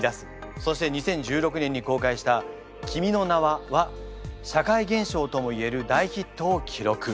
そして２０１６年に公開した「君の名は。」は社会現象ともいえる大ヒットを記録。